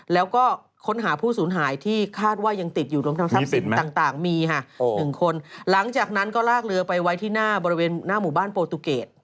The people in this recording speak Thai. แล้วก็ค้นหาผู้สูญหายที่คาดว่ายังติดอยู่รวมทำทรัพย์สินต่างมีค่ะหนึ่งคนหลังจากนั้นก็ลากเรือไปไว้ที่หน้าบริเวณหน้าหมู่บ้านโปรตูเกต